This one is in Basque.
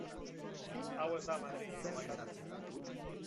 Hau ez da Madrilen gertatu.